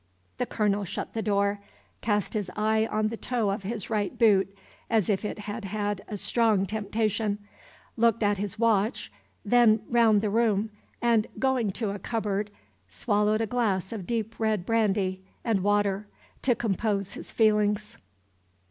The Colonel shut the door, cast his eye on the toe of his right boot, as if it had had a strong temptation, looked at his watch, then round the room, and, going to a cupboard, swallowed a glass of deep red brandy and water to compose his feelings.